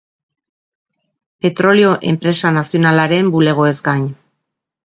Petrolio Enpresa Nazionalaren bulegoez gain.